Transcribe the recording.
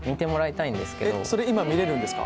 それ今見れるんですか？